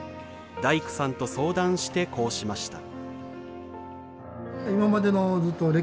大工さんと相談してこうしました。